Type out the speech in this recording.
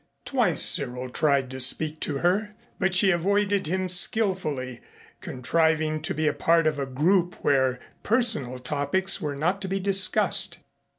Twice Cyril tried to speak to her, but she avoided him skillfully, contriving to be a part of a group where personal topics were not to be discussed.